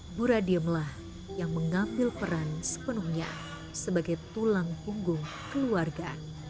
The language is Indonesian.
ibu radiemlah yang mengambil peran sepenuhnya sebagai tulang punggung keluarga